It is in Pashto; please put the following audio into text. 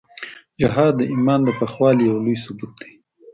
جهاد د ایمان د پخوالي یو لوی ثبوت دی.